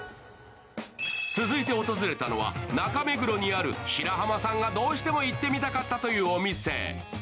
続いて訪れたのは中目黒にある、白濱さんがどうしても行ってみたかったというお店へ。